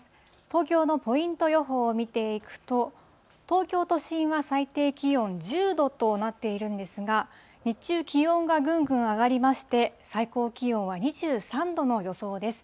東京のポイント予報を見ていくと、東京都心は最低気温１０度となっているんですが、日中、気温がぐんぐん上がりまして、最高気温は２３度の予想です。